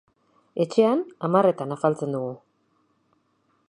Etxean hamarretan afaltzen dugu.